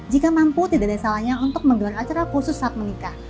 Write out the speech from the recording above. jika mampu tidak ada salahnya untuk menggelar acara khusus saat menikah